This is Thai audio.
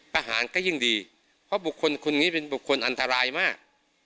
ทหารก็ยิ่งดีเพราะบุคคลคนนี้เป็นบุคคลอันตรายมาก